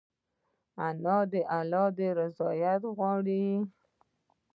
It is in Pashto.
انا د الله رضا غواړي